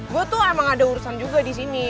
gue tuh emang ada urusan juga di sini